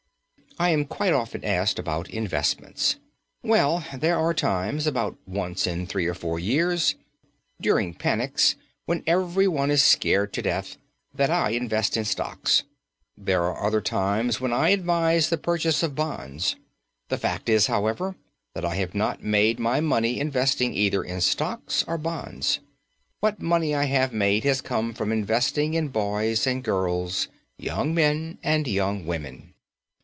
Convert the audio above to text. I am quite often asked about investments. Well, there are times, about once in three or four years during panics, when every one is scared to death that I invest in stocks. There are other times when I advise the purchase of bonds. The fact is, however, that I have not made my money investing either in stocks or bonds. What money I have made has come from investing in boys and girls, young men and young women.